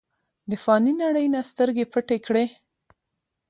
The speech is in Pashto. د فانې نړۍ نه سترګې پټې کړې ۔